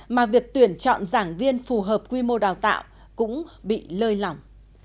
mà việc tuyển chọn giảng viên phù hợp quy mô đào tạo cũng bị lơi lỏng